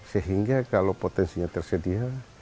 sehingga kalau potensinya tersedia